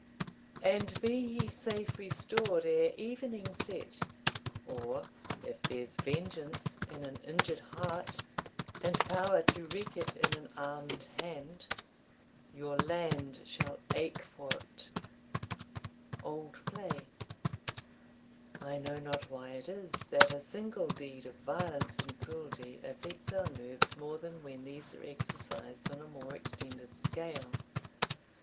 And be he safe restored ere evening set, Or, if there's vengeance in an injured heart, And power to wreak it in an armed hand, Your land shall ache for't. Old Play. I know not why it is that a single deed of violence and cruelty affects our nerves more than when these are exercised on a more extended scale.